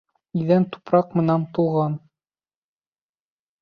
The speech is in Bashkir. Иҙән тупраҡ менән тулған.